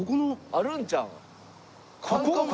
あるんちゃうの？